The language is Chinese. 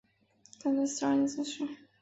康熙四十二年进士。